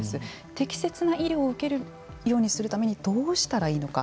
適切な医療を受けるようにするためにどうしたらいいのか。